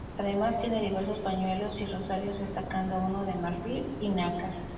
Además tiene diversos pañuelos y rosarios destacando uno de marfil y nácar.